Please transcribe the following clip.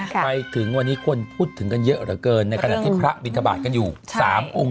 ไปถึงวันนี้คนพูดถึงกันเยอะเหลือเกินในขณะที่พระบินทบาทกันอยู่๓องค์